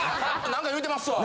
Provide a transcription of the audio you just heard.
何か言うてますわ。